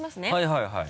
はいはい。